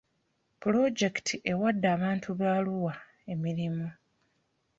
Pulojekiti ewadde abantu be Arua emirimu.